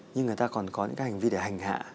nhưng người ta còn có những cái hành vi để hành hạ